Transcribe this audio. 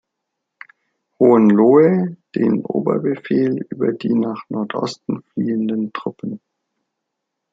Hohenlohe den Oberbefehl über die nach Nordosten fliehenden Truppen.